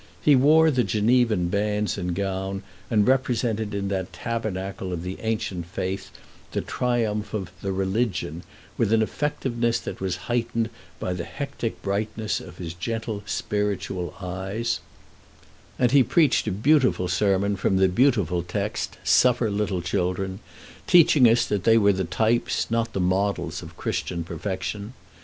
He wore the Genevan bands and gown, and represented in that tabernacle of the ancient faith the triumph of "the Religion" with an effectiveness that was heightened by the hectic brightness of his gentle, spiritual eyes; and he preached a beautiful sermon from the beautiful text, "Suffer little children," teaching us that they were the types, not the models, of Christian perfection.